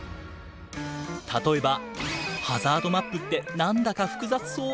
例えばハザードマップって何だか複雑そう。